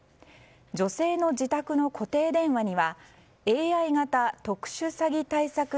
女性の自宅の固定電話にはＡＩ型特殊詐欺対策